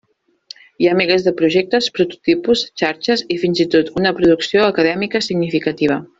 Hi ha milers de projectes, prototipus, xarxes i fins i tot una producció acadèmica significativa.